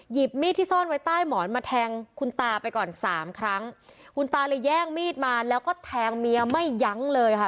มีดที่ซ่อนไว้ใต้หมอนมาแทงคุณตาไปก่อนสามครั้งคุณตาเลยแย่งมีดมาแล้วก็แทงเมียไม่ยั้งเลยค่ะ